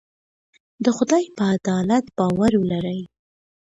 د خدای په عدالت باور ولرئ.